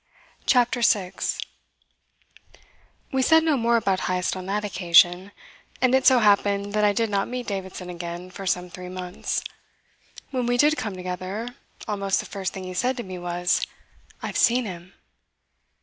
CHAPTER SIX We said no more about Heyst on that occasion, and it so happened that I did not meet Davidson again for some three months. When we did come together, almost the first thing he said to me was: "I've seen him."